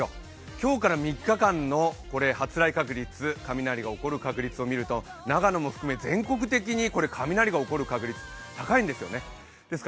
今日から３日間の発雷確率を見ると雷が起こる確率を見ると、長野を含めて雷が起こる確率高いんですね。